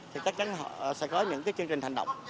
thì chắc chắn sẽ có những chương trình thành động